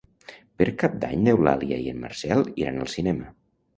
Per Cap d'Any n'Eulàlia i en Marcel iran al cinema.